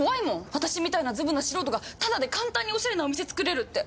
私みたいなずぶな素人がただで簡単におしゃれなお店作れるって。